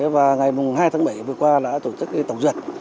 và ngày hai tháng bảy vừa qua đã tổ chức tổng duyệt